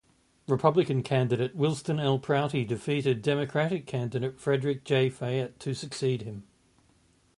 Republican candidate Winston L. Prouty defeated Democratic candidate Frederick J. Fayette to succeed him.